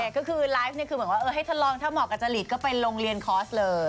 ก็คือไลฟ์เนี่ยแบบให้ทดลองถ้าเหมาะกับจริตก็ไปลงเรียนคอร์สเลย